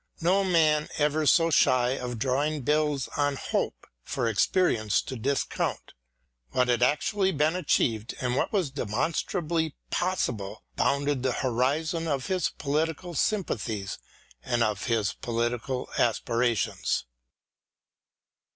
No man ever so shy of drawing bills on hope for experience to discount. What had actually been achievable and what was demonstrably possible bounded the horizon of his political sympathies and of his political aspirations.